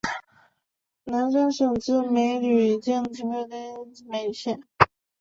南山县治梅菉镇析吴川县地设梅菉市。